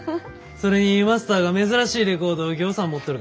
それにマスターが珍しいレコードをぎょうさん持っとるから。